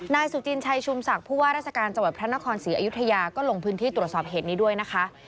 นายสุจินชัยชุมศักดิ์ผู้ว่าราชการจังหวัดพระนครศรีอยุธยาก็ลงพื้นที่ตรวจสอบเหตุนี้ด้วยนะคะ